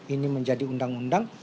ini menjadi undang undang